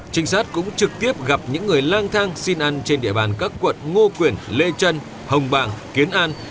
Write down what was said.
trinh sát cũng trực tiếp gặp những người lang thang xin ăn trên địa bàn các quận ngô quyền lê trân hồng bàng kiến an